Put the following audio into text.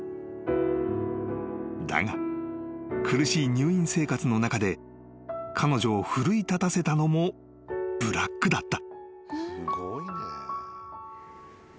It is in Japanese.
［だが苦しい入院生活の中で彼女を奮い立たせたのもブラックだった］